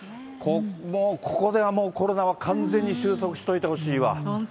もうここではもうコロナは完全に収束しておいてほしいわ。